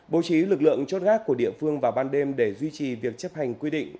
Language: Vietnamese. bố trí lực lượng chốt gác của địa phương vào ban đêm để duy trì việc chấp hành quy định